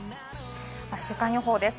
週間予報です。